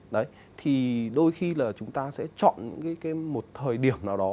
đấy thì đôi khi là chúng ta sẽ chọn những một thời điểm nào đó